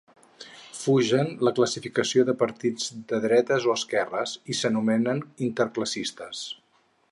Fugen la classificació de partit de dretes o esquerres, i s'anomenen interclassistes.